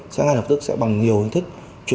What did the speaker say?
sẽ ngay lập tức sẽ bằng nhiều hình thức